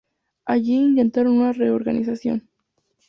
Allí intentaron una reorganización.